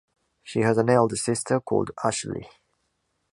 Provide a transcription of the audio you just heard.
She has an elder sister called Ashley.